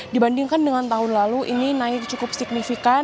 dibandingkan dengan tahun lalu ini naik cukup signifikan